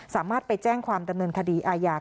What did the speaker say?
สามารถไปแจ้งความดำเนินคดีอาญา